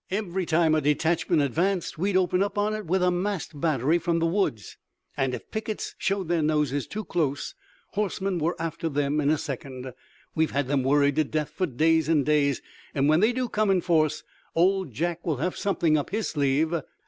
Every time a detachment advanced we'd open up on it with a masked battery from the woods, and if pickets showed their noses too close horsemen were after them in a second. We've had them worried to death for days and days, and when they do come in force Old Jack will have something up his sleeve."